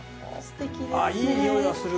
いいにおいがする！